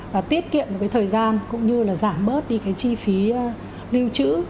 và tiết kiệm một cái thời gian cũng như là giảm bớt đi cái chi phí lưu trữ